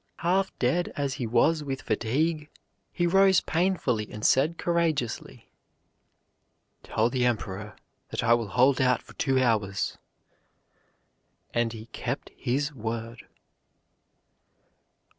Half dead as he was with fatigue, he rose painfully and said courageously, 'Tell the Emperor that I will hold out for two hours.' And he kept his word."